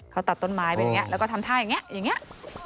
เขาตัดต้นไม้เป็นอย่างเนี่ยแล้วก็ทำท่าอย่างเนี่ย